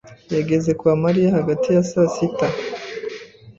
yageze kwa Mariya hagati ya saa sita.